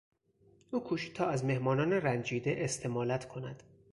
او کوشید تا از مهمانان رنجیده استمالت کند.